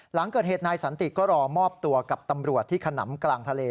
หลังเกิดเหตุนายสันติก็รอมอบตัวกับตำรวจที่ขนำกลางทะเล